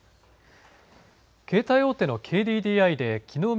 携帯大手のＫＤＤＩできのう